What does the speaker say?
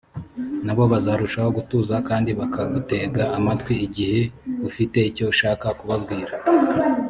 na bo bazarushaho gutuza kandi bakagutega amatwi igihe ufite icyo ushaka kubabwira